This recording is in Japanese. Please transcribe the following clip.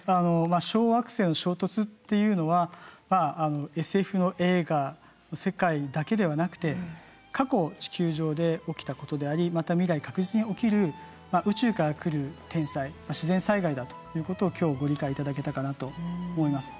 小惑星の衝突っていうのはＳＦの映画の世界だけではなくて過去地球上で起きたことでありまた未来確実に起きる宇宙から来る天災自然災害だということを今日ご理解いただけたかなと思います。